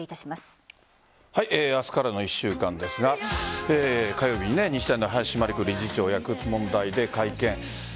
あすからの１週間ですが火曜日日大の林真理子理事長薬物問題で会見。